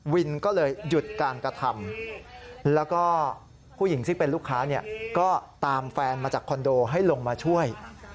วินก็เลยหยุดการกระทำแล้วก็ผู้หญิงซึ่งเป็นลูกค้าก็ตามแฟนมาจากคอนโดให้ลงมาช่วย